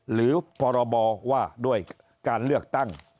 พรบว่าด้วยการเลือกตั้ง